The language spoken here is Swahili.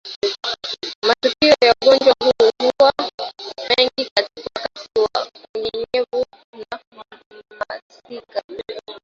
Matukio ya ugonjwa huu huwa mengi wakati wa unyevunyevu na masika